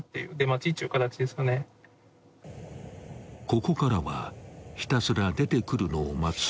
［ここからはひたすら出てくるのを待つ］